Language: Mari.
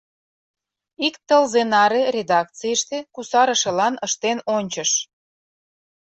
Ик тылзе наре редакцийыште кусарышылан ыштен ончыш.